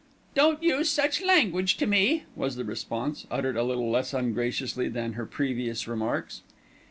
"Don't use such language to me," was the response, uttered a little less ungraciously than her previous remarks.